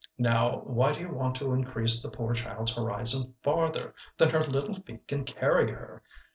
Now, why do you want to increase the poor child's horizon farther than her little feet can carry her?